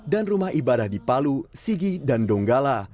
dan rumah ibadah di palu sigi dan donggala